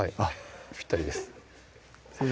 ぴったりです先生